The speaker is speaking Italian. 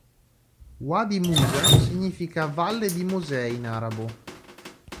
Wadi Musa significa "Valle di Mosè" in arabo.